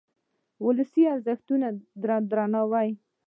ولسي ارزښتونو ته درناوی.